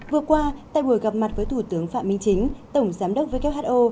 vừa qua tại buổi gặp mặt với thủ tướng phạm minh chính tổng giám đốc who